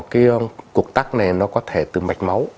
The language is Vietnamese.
cái cục tác này nó có thể từ mạch máu